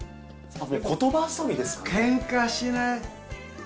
言葉遊びですか？